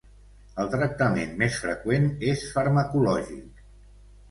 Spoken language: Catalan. El tractament més freqüent és farmacològic.